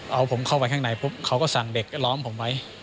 เอาผมเข้าไปข้างในปุ๊บเขาก็สั่งเด็กล้อมผมไว้